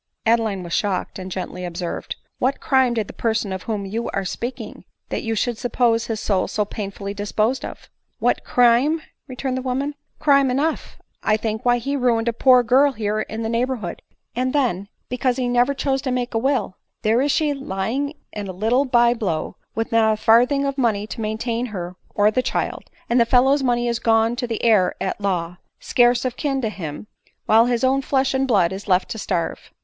Adeline was shocked, and gently observed, ° what crime did the person of whom you are speaking, that you should suppose his soul so s painfully disposed pf?" " What crime ?" returned the woman ;" crime enough, I think ; why, he ruined a pdor girl here in the neighbor hood ; and then, because he never chose to make a will, there is she lying in of a little by blow, with not a farthing of money to maintain her or the child, and the fellow's money is gone to the heir at law, scarce of kin to him, while his own flesh and blood is left to starve."